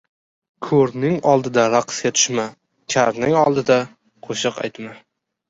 • Ko‘rning oldida raqsga tushma, karning oldida qo‘shiq aytma.